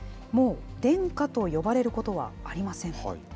もう殿下と呼ばれることはありません。